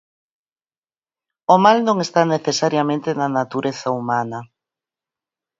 O mal non está necesariamente na natureza humana.